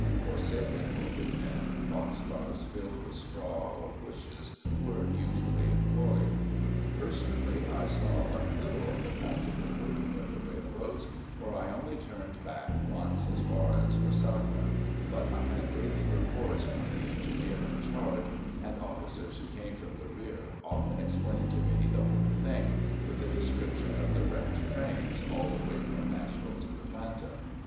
For sick and wounded men, box cars filled with straw or bushes were usually employed. Personally, I saw but little of the practical working of the railroads, for I only turned back once as far as Resaca; but I had daily reports from the engineer in charge, and officers who came from the rear often explained to me the whole thing, with a description of the wrecked trains all the way from Nashville to Atlanta.